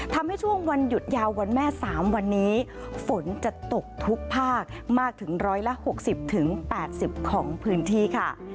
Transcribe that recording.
ช่วงวันหยุดยาววันแม่๓วันนี้ฝนจะตกทุกภาคมากถึง๑๖๐๘๐ของพื้นที่ค่ะ